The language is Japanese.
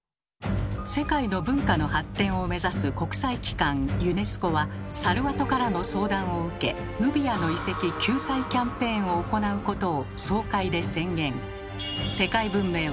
世界の文化の発展を目指す国際機関ユネスコはサルワトからの相談を受け「ヌビアの遺跡救済キャンペーン」を行うことを総会で宣言。